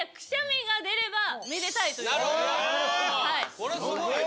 これすごいよ。